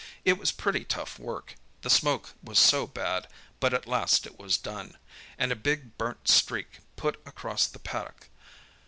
It was pretty tough work, the smoke was so bad, but at last it was done, and a big, burnt streak put across the paddock.